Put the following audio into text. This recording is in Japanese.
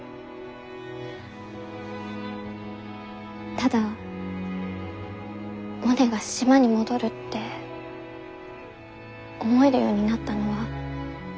ただモネが島に戻るって思えるようになったのは。